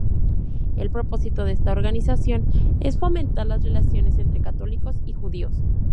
El propósito de esta organización es fomentar las relaciones entre católicos y judíos.